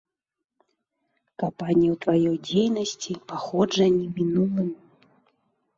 Капанне ў тваёй дзейнасці, паходжанні, мінулым.